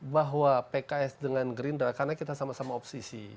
bahwa pks dengan gerindra karena kita sama sama oposisi